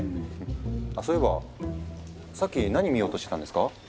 あそういえばさっき何見ようとしてたんですか？